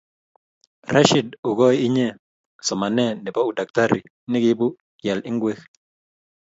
Rashid okoy inye somanee ne bo Udaktari ne keibu ial ngwek